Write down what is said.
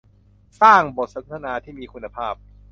"สร้างบทสนทนาที่มีคุณภาพ"